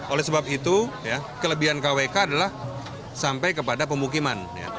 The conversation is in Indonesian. oleh sebab itu kelebihan kwk adalah sampai kepada pemukiman